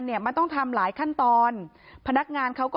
เพราะไม่มีเงินไปกินหรูอยู่สบายแบบสร้างภาพ